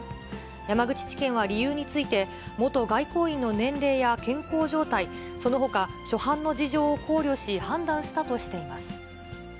山口地検は理由について、元外交員の年齢や健康状態、そのほか、諸般の事情を考慮し、判断したとしています。